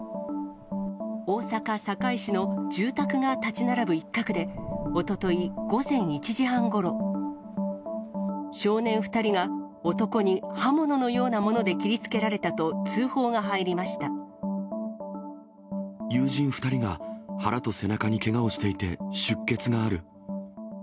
大阪・堺市の住宅が建ち並ぶ一角で、おととい午前１時半ごろ、少年２人が男に刃物のようなもので切りつけられたと通報が入りま友人２人が腹と背中にけがをしていて、出血がある。